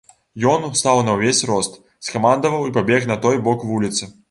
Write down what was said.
Ён устаў на ўвесь рост, скамандаваў і пабег на той бок вуліцы.